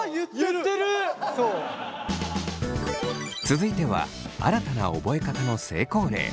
続いては新たな覚え方の成功例。